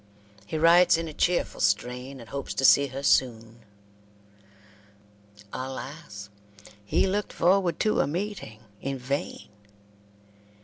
He writes in a cheerful strain, and hopes to see her soon. Alas! he looked forward to a meeting in vain.